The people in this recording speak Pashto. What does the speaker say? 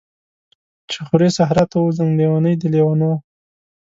چی خوری صحرا ته ووځم، لیونۍ د لیونیو